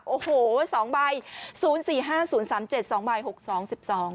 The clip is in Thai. โอ้โหสองใบศูนย์สี่ห้าศูนย์สามเจ็ดสองใบหกสองสิบสอง